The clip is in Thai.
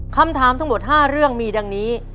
คำถามทั้งหมด๕เรื่องมีดังนี้